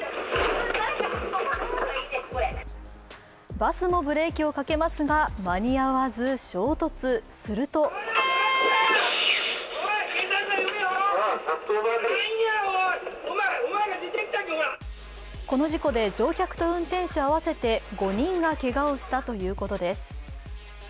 バスもブレーキをかけますが間に合わず衝突、するとこの事故で乗客と運転手合わせて５人がけがをしたということです。